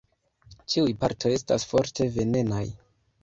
Ĉiuj partoj estas forte venenaj.